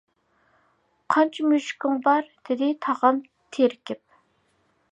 -قانچە مۈشۈكۈڭ بار؟ -دېدى تاغام تېرىكىپ.